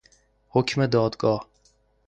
حکم دادگاه